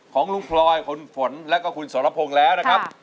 ของลุงพลอยคุณฝนแล้วก็คุณสรพงศ์แล้วนะครับ